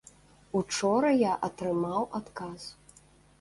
Учора я атрымаў адказ.